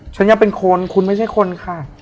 ฉันยังเป็นคนคุณไม่ใช่คนค่ะ